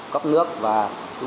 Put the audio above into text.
các anh gái này